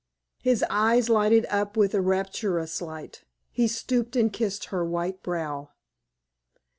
His eyes lighted up with a rapturous light; he stooped and kissed her white brow.